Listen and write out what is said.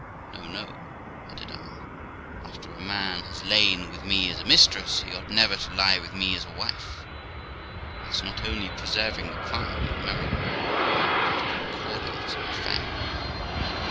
No, no* added I; 'after a man has lain with me as a mistress, he ought never to lie with me as a wife. That's not only preserving the crime in memory, but it is recording it in the family.